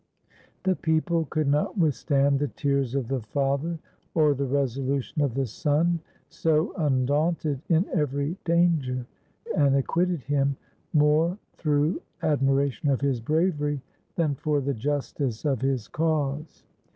The people could not withstand the tears of the father, or the resolution of the son, so undaunted in every dan ger; and acquitted him more through admiration of his bravery than for the justice of his cause.